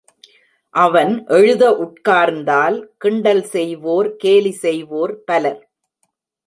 அவன் எழுத உட்கார்ந்தால், கிண்டல் செய்வோர், கேலி செய்வோர் பலர்.